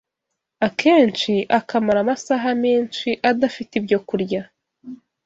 akenshi akamara amasaha menshi adafite ibyokurya